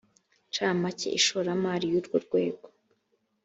ncamake ishoramari ry urwo rwego